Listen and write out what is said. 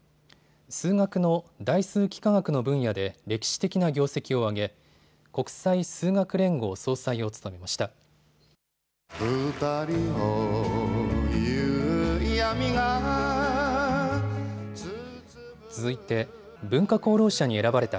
数学の代数幾何学の分野で歴史的な業績を挙げ国際数学連合総裁を務めました。